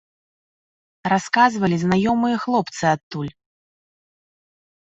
Расказвалі знаёмыя хлопцы адтуль.